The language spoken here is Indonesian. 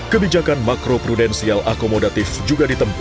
kebijakan makro prudensial akomodatif juga ditempuh